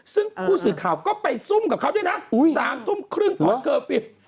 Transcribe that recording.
ซึ่งผู้สื่อข่าวก็ไปซุ่มกับเขาด้วยนะ๓ทุ่มครึ่งก่อนเคอร์ฟิล์